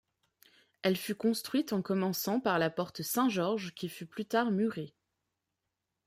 Elle fut construite en commençant par la porte-St-Georges qui fut plus tard murée.